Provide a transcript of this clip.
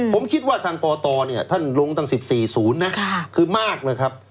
ผมคิดว่าทางกตเนี่ยท่านลงตั้ง๑๔๐นะคือมากเลยครับ